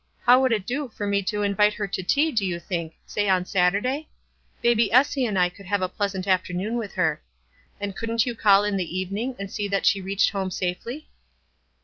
How would it do for me to invite her to tea do you think, say on Saturday ? Baby Essie and I could have a pleasant after noon with her. And couldn't you call in the evening, and see that she reached home safely?"